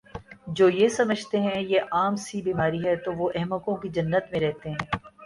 جو یہ سمجھتے ہیں یہ عام سی بیماری ہے تو وہ احمقوں کی جنت میں رہتے ہیں